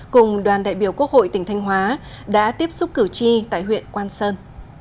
cùng đoàn đại biểu quốc hội tỉnh thanh hóa đã tiếp xúc cử tri tại huyện quan sơn